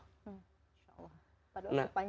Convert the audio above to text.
beliau selalu menyelesaikan surat al baqarah